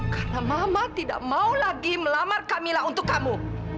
karena mama tidak mau lagi melamar kamila untuk kamu